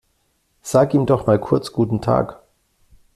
Sag ihm doch mal kurz guten Tag.